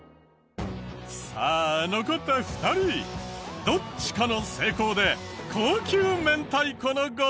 さあ残った２人どっちかの成功で高級明太子のご褒美。